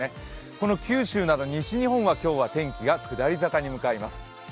この九州など、西日本は今日は天気が下り坂に向かいます。